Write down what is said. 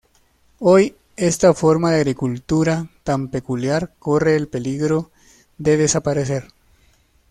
Hoy, esta forma de agricultura tan peculiar corre el peligro de desaparecer.